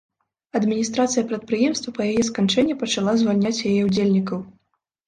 Адміністрацыя прадпрыемства па яе сканчэнні пачала звальняць яе ўдзельнікаў.